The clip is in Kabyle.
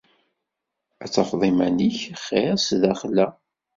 Ad tafeḍ iman-nnek xir sdaxel-a.